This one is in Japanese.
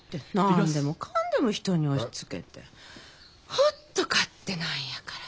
ほっと勝手なんやから。